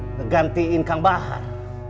ngegantiin kang bahar